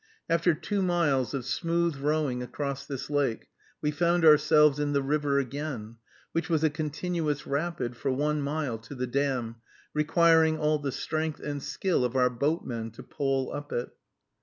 After two miles of smooth rowing across this lake, we found ourselves in the river again, which was a continuous rapid for one mile, to the dam, requiring all the strength and skill of our boatmen to pole up it.